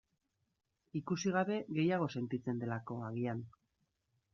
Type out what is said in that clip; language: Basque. Ikusi gabe gehiago sentitzen delako, agian.